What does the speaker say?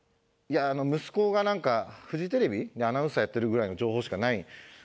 いや息子がなんかフジテレビのアナウンサーやってるぐらいの情報しかない。